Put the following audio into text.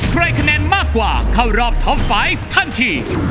ได้คะแนนมากกว่าเข้ารอบท็อปไฟล์ทันที